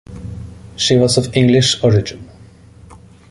She was of English origin.